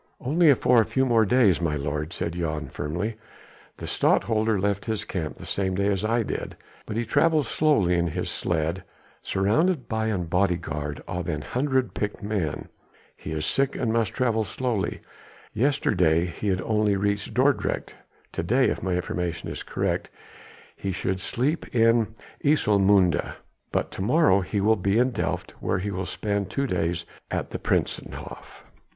"Only for a few more days, my lord," said Jan firmly. "The Stadtholder left his camp the same day as I did. But he travels slowly, in his sledge, surrounded by a bodyguard of an hundred picked men. He is sick and must travel slowly. Yesterday he had only reached Dordrecht, to day if my information is correct he should sleep at Ijsselmunde. But to morrow he will be at Delft where he will spend two days at the Prinsenhof."